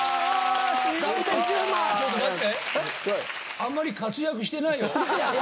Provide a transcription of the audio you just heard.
あんまり活躍してないよ。